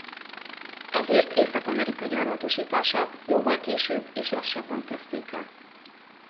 Ezért Észak-Amerika gyarmatosítását jóval később és lassabban kezdték el.